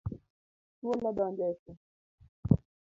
Thuol odonjo e koo